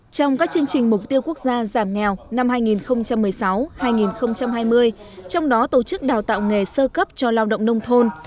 trong các chương trình mục tiêu quốc gia giảm nghèo năm hai nghìn một mươi sáu hai nghìn hai mươi trong đó tổ chức đào tạo nghề sơ cấp cho lao động nông thôn